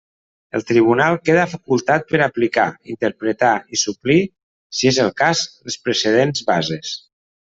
El tribunal queda facultat per a aplicar, interpretar i suplir, si és el cas, les precedents bases.